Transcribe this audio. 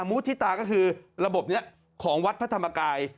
มุฒิตาก็คือระบบนี้ของวัดพระธรรมกาย